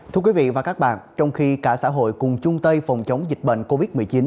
thưa quý vị và các bạn trong khi cả xã hội cùng chung tay phòng chống dịch bệnh covid một mươi chín